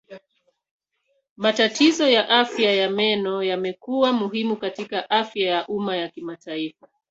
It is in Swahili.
Matatizo ya afya ya meno yamekuwa muhimu katika afya ya umma ya kimataifa.